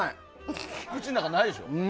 口の中、ないでしょ？